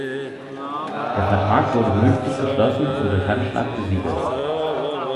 Der Vertrag wurde mündlich geschlossen und durch Handschlag besiegelt.